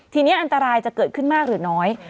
ทีนี้อันตรายจะเกิดขึ้นมากหรือน้อย